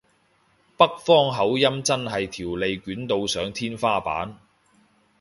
北方口音真係條脷捲到上天花板